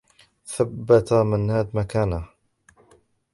ثبت منّاد مكانه.